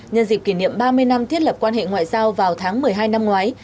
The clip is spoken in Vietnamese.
nhân dịp kỷ niệm ba mươi năm thiết lập quan hệ ngoại giao vào tháng một mươi hai năm ngoái